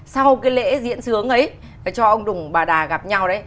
sau cái lễ diễn sướng ấy cho ông đùng bà đà gặp nhau đấy